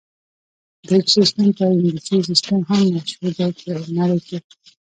د ایچ سیسټم په انګلیسي سیسټم هم مشهور دی په نړۍ کې.